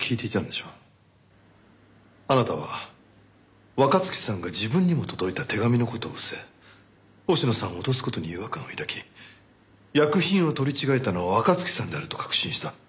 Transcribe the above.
あなたは若月さんが自分にも届いた手紙の事を伏せ星野さんを脅す事に違和感を抱き薬品を取り違えたのは若月さんであると確信した。